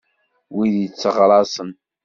Wid itteɣraṣen.